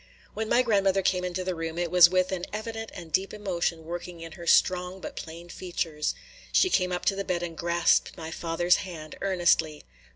When my grandmother came into the room, it was with an evident and deep emotion working in her strong but plain features. She came up to the bed and grasped my father's hand earnestly.